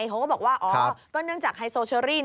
เขาก็บอกว่าอ๋อก็เนื่องจากไฮโซเชอรี่